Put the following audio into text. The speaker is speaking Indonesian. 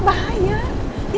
masih demam gak